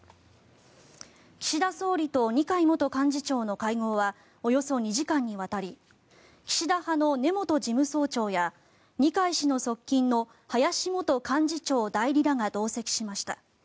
岸田総理と二階元幹事長の会合はおよそ２時間にわたり岸田派の根本事務総長や二階氏の側近の林元幹事長代理らが同席しました。